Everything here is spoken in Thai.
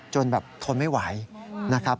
จนแบบทนไม่ไหว